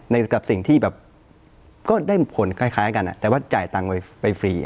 กับสิ่งที่แบบก็ได้ผลคล้ายกันแต่ว่าจ่ายตังค์ไปฟรี